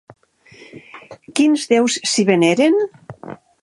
Quins déus s'hi veneren?